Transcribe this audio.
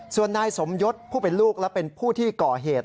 ส่วนนายสมยศผู้เป็นลูกและเป็นผู้ที่ก่อเหตุ